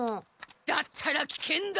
だったらきけんだ！